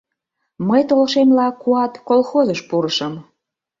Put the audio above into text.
Мый, толшемла, «Куат» колхозыш пурышым.